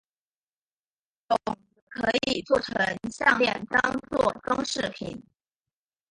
种子可以作成项炼当作装饰品。